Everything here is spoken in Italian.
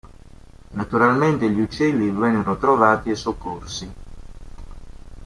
Naturalmente gli uccelli vennero trovati e soccorsi.